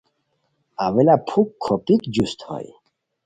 اویلہ پُھک کھوپیک جوست ہوئے